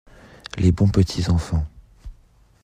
Les bons petits enfants.